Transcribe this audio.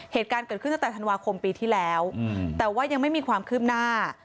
เหตุการณ์เกิดขึ้นตั้งแต่ธันวาคมปีที่แล้วแต่ว่ายังไม่มีความคืบหน้า